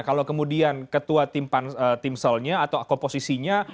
kalau kemudian ketua timselnya atau komposisinya